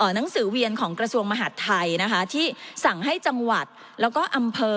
หนังสือเวียนของกระทรวงมหาดไทยนะคะที่สั่งให้จังหวัดแล้วก็อำเภอ